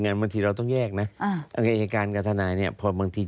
บางทีเราต้องแยกนะอายการกับทนายเนี่ยพอบางที